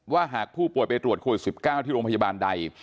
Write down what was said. ว่าหากผู้ป่วยไปตรวจคุณสิบเก้าที่โรงพยาบาลใด